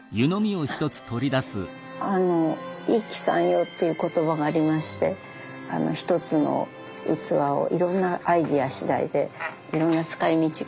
あの一器三様っていう言葉がありましてひとつの器をいろんなアイデア次第でいろんな使い道があるという。